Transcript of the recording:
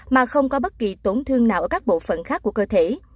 mà không có bất kỳ tổn thương nào ở các bộ phận khác của cơ thể